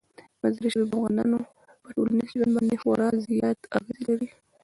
مزارشریف د افغانانو په ټولنیز ژوند باندې خورا زیات اغېز لري.